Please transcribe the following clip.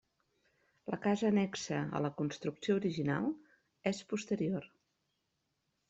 La casa annexa a la construcció original és posterior.